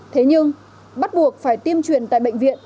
thế nhưng bắt buộc phải tiêm truyền tại bệnh viện